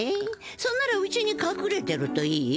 そんならうちにかくれてるといいよ。